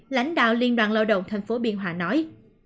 lãnh đạo liên đoàn lao động tp biên hòa nói